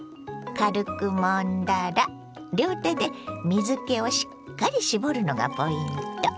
軽くもんだら両手で水けをしっかり絞るのがポイント。